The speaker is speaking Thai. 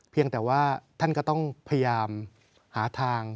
เพียงแต่ว่าท่านก็ต้องพยายามหาทาง